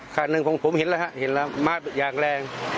ขนหนึ่งผมเห็นแล้วเห็นมาอย่างแรง